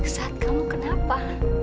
sat kamu kenapa